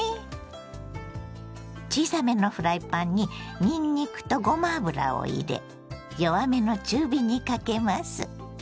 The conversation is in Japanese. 小さめのフライパンににんにくとごま油を入れ弱めの中火にかけます。